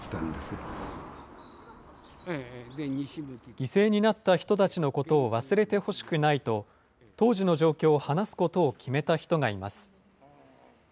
犠牲になった人たちのことを忘れてほしくないと、当時の状況を話すことを決めた人がいます。